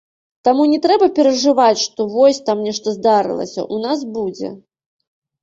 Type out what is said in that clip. Таму не трэба перажываць, што вось, там нешта здарылася, у нас будзе.